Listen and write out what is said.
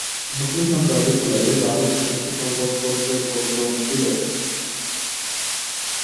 মুসলমান রাজত্বকালে ভারতবর্ষে সংবাদপত্রের প্রচলন ছিল।